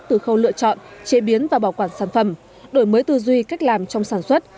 từ khâu lựa chọn chế biến và bảo quản sản phẩm đổi mới tư duy cách làm trong sản xuất